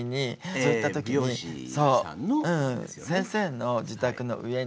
そううん先生の自宅の上に。